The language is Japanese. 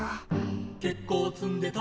「結構積んでた」